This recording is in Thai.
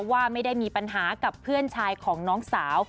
ว่าไม่ได้มีปัญหากับเพื่อนชายของน้องสาว